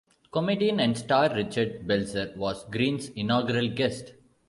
Comedian and star Richard Belzer was Green's inaugural guest.